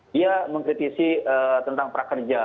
dia mengkritisi tentang prakerja